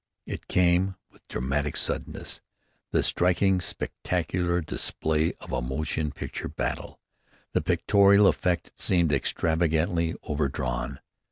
It came with the dramatic suddenness, the striking spectacular display, of a motion picture battle. The pictorial effect seemed extravagantly overdrawn.